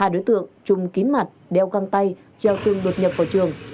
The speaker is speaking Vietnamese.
hai đối tượng trùng kín mặt đeo căng tay treo tương đột nhập vào trường